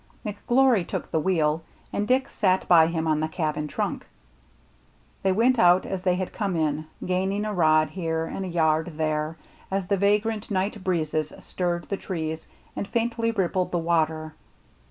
McGlory took the wheel, and Dick sat by him on the cabin trunk. They went out as they had come in, gaining a rod here and a yard there, as the vagrant night breezes stirred the trees and faintly rippled the water.